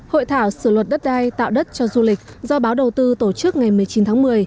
hội thảo sửa luật đất đai tạo đất cho du lịch do báo đầu tư tổ chức ngày một mươi chín tháng một mươi